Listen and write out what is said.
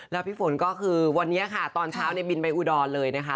แล้วพี่ฝนก็คือวันนี้ค่ะตอนเช้าเนี่ยบินไปอุดรเลยนะคะ